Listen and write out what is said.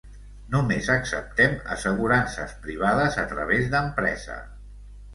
Només acceptem assegurances privades a través d'empresa.